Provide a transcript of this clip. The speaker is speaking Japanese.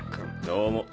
どうも。